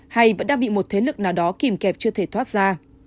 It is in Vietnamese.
hay vẫn đang bị một thế lực nào đó kìm kẹp chưa thể thoát ra